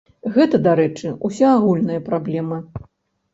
Гэта, дарэчы, усеагульная праблема.